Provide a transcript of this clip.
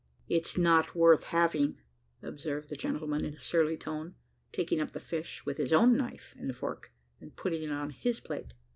"It's not worth halving," observed the gentleman, in a surly tone, taking up the fish with his own knife and fork, and putting it on his plate.